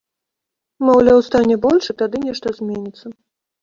Маўляў, стане больш, і тады нешта зменіцца.